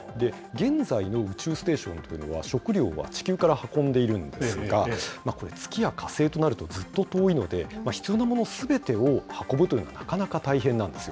現在の宇宙ステーションというのは、食料は地球から運んでいるんですが、これ、月や火星となると、ずっと遠いので、必要なものすべてを運ぶというのは、なかなか大変なんですよ。